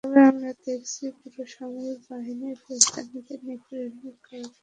তবে আমরা দেখছি, পুরো সামরিক বাহিনীই ফিলিস্তিনিদের নিপীড়নের কাজ বাস্তবায়নে সহায়তা করছে।